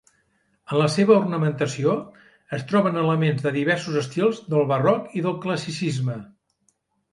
En la seva ornamentació es troben elements de diversos estils del barroc i del classicisme.